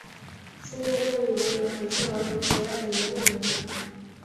现在这里仍有很受儿童喜爱的游乐园。